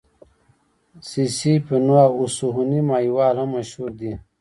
سسي پنو او سوهني ماهيوال هم مشهور دي.